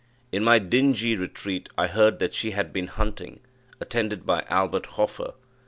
In my dingy retreat I heard that she had been hunting, attended by Albert Hoffer.